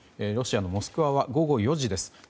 ロシアのモスクワは午後４時です。